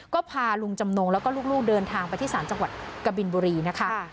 ก็พาลุงจำนงแล้วก็ลูกเดินทางไปที่ศาลจังหวัดกะบินบุรีนะคะ